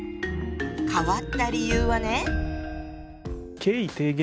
変わった理由はね。